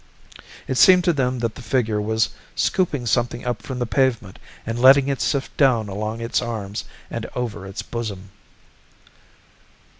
It seemed to them that the figure was scooping something up from the pavement and letting it sift down along its arms and over its bosom.